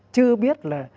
chưa biết là